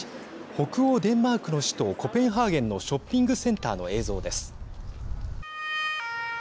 北欧デンマークの首都コペンハーゲンのショッピングセンターの映像です。